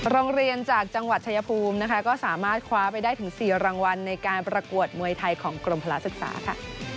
โรงเรียนจากจังหวัดชายภูมินะคะก็สามารถคว้าไปได้ถึง๔รางวัลในการประกวดมวยไทยของกรมพละศึกษาค่ะ